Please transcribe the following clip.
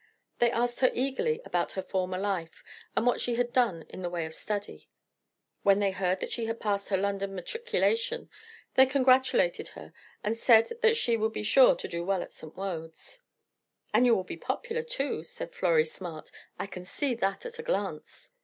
They asked her eagerly about her former life, and what she had done in the way of study. When they heard that she had passed her London Matriculation, they congratulated her, and said that she would be sure to do well at St. Wode's. "And you will be popular too," said Florrie Smart. "I can see that at a glance.